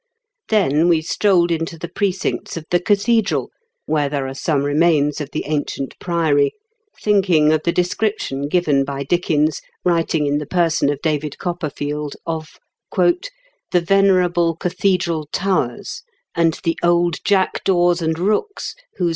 Then we strolled into the precincts of the cathedral, where there are some remains of the ancient priory, thinking of the description given by Dickens, writing in the person of David Copperfield, of " the venerable cathedral towers, and the old jackdaws and rooks whose 160 IN KENT WITH GRABLES DICKENS.